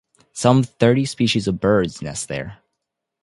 Some thirty species of birds nest there.